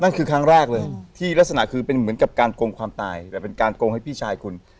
ครั้งแรกเลยที่ลักษณะคือเป็นเหมือนกับการโกงความตายแต่เป็นการโกงให้พี่ชายคุณ